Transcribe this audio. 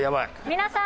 皆さん。